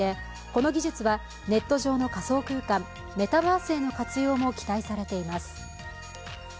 この技術はネット上の仮想空間＝メタバースへの活用も期待されています。